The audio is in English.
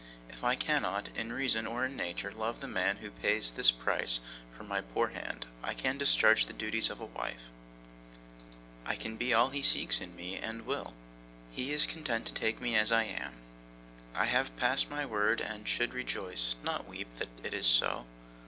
If I cannot, in reason or in nature, love the man who pays this price for my poor hand, I can discharge the duties of a wife: I can be all he seeks in me, and will. He is content to take me as I am. I have passed my word, and should rejoice, not weep, that it is so.